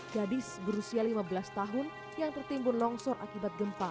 gadis berusia lima belas tahun yang tertimbun longsor akibat gempa